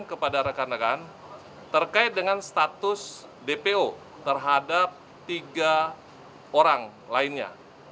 kepada rekan rekan terkait dengan status dpo terhadap tiga orang lainnya